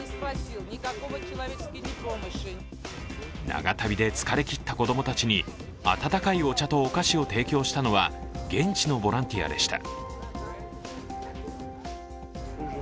長旅で疲れ切った子供たちに温かいお茶とお菓子を提供したのは現地のボランティアでした。